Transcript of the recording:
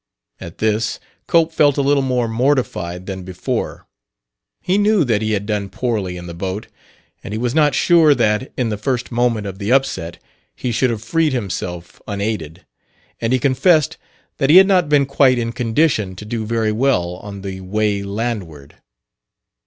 At this, Cope felt a little more mortified than before. He knew that he had done poorly in the boat, and he was not sure that, in the first moment of the upset, he should have freed himself unaided; and he confessed that he had not been quite in condition to do very well on the way landward.